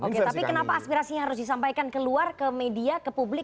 oke tapi kenapa aspirasinya harus disampaikan keluar ke media ke publik